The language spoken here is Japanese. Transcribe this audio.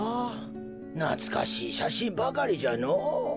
なつかしいしゃしんばかりじゃのう。